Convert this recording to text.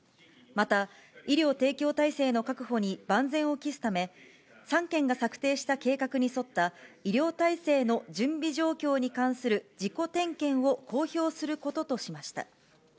また、医療提供体制の確保に万全を期すため、３県が策定した計画に沿った、医療体制の準備状況に関する自己点検を公表することとしました。